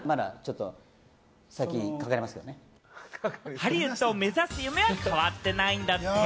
ハリウッドを目指す夢は変わってないんだって。